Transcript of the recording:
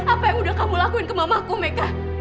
apa yang udah kamu lakuin ke mamaku mega